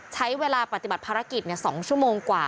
ใช้เวลาปฏิบัติภารกิจ๒ชั่วโมงกว่า